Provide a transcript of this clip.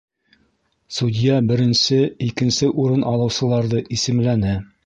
Судья беренсе, икенсе урын алыусыларҙы исемләне.